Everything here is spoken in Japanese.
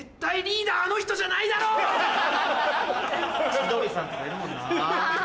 千鳥さんとかいるもんな。